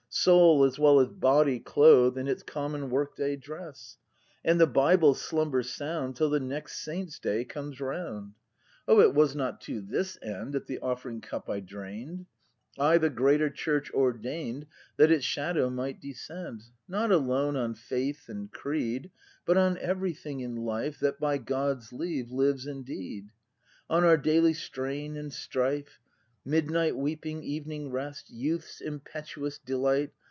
Soul as well as body clothe In its common work day dress, — And the Bible slumber sound Till the next Saint's day comes round. ACTV] BRAND 259 O, it was not to this end That the Offering cup I drain'd! I the Greater Church ordain'd. That its shadow might descend. Not alone on Faith and Creed But on everything in hfe That by God's leave Hves indeed; — On our daily strain and strife. Midnight weeping, evening rest. Youth's impetuous delight.